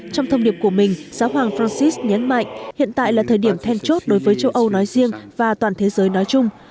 trong thông điệp của mình giáo hoàng francis nhấn mạnh hiện tại là thời điểm then chốt đối với châu âu nói riêng và toàn thế giới nói chung